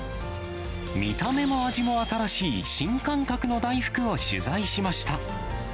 見た目も味も新しい新感覚の大福を取材しました。